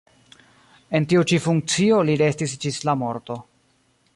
En tiu ĉi funkcio li restis ĝis la morto.